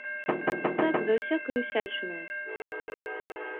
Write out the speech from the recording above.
Так за ўсякаю ўсячынаю.